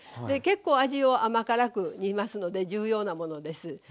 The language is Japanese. で結構味を甘辛く煮ますので重要なものです。